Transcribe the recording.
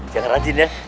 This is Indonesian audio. jangan rajin ya